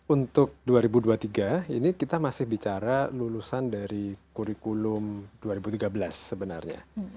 untuk dua ribu dua puluh tiga ini kita masih bicara lulusan dari kurikulum dua ribu tiga belas sebenarnya